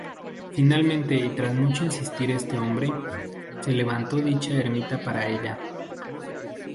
Finalmente y tras mucho insistir este hombre, se levantó dicha ermita para ella.